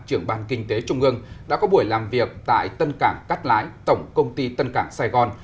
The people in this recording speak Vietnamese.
trưởng ban kinh tế trung ương đã có buổi làm việc tại tân cảng cát lái tổng công ty tân cảng sài gòn